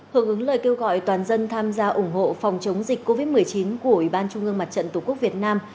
hưởng ứng lời kêu gọi toàn dân tham gia ủng hộ phòng chống dịch covid một mươi chín của ủy ban trung ương mặt trận tổ quốc việt nam